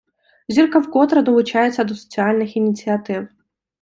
Зірка вкотре долучається до соціальних ініціатив.